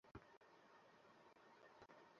আমি বেশ ভাগ্যবতী যে কাজটা আমার দারুণ পছন্দের!